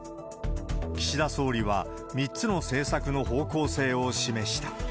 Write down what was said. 岸田総理は３つの政策の方向性を示した。